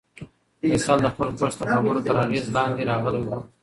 فیصل د خپل کورس د خبرو تر اغېز لاندې راغلی و.